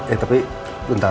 eh tapi bentar